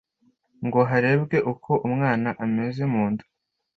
ngo harebwe uko umwana ameze mu nda